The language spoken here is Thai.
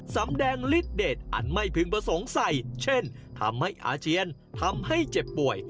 สำแดงลิตเดทอันไม่พึงประสงค์ใส่เช่นทำให้อาเจียนทำให้เจ็บป่วย